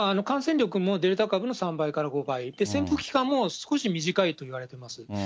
感染力もデルタ株の３倍から５倍、潜伏期間も少し短いと言われています。